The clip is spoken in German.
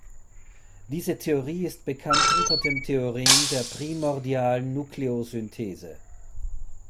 Diese Theorie ist bekannt unter dem Theorem der primordialen Nukleosynthese.